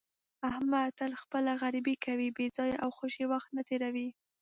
احمد تل خپله غریبي کوي، بې ځایه او خوشې وخت نه تېروي.